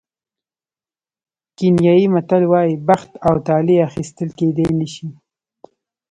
کینیايي متل وایي بخت او طالع اخیستل کېدای نه شي.